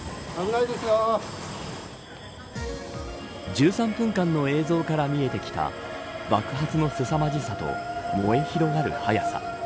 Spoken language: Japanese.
１３分間の映像から見えてきた爆発のすさまじさと燃え広がる速さ。